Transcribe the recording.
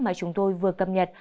mà chúng tôi vừa cập nhật